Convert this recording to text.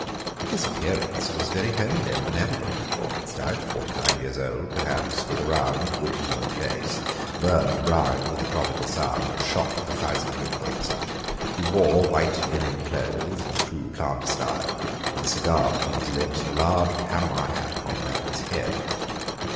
His appearance was very homely and benevolent, short and stout, forty five years old, perhaps, with a round, good humoured face, burned brown with the tropical sun, and shot with a thousand wrinkles. He wore white linen clothes, in true planter style, with a cigar between his lips, and a large Panama hat upon the back of his head.